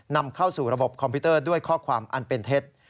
นำเข้าสู่ระบบคอมพิวเตอร์ด้วยข้อความอันเป็นเท็จ